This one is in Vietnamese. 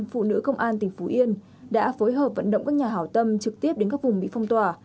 phụ nữ công an tỉnh phú yên đã phối hợp vận động các nhà hảo tâm trực tiếp đến các vùng bị phong tỏa